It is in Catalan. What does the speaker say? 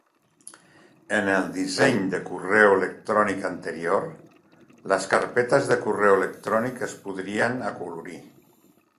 En el disseny de correu electrònic anterior, les carpetes de correu electrònic es podrien acolorir.